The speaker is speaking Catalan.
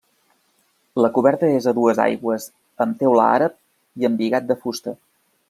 La coberta és a dues aigües amb teula àrab i embigat de fusta.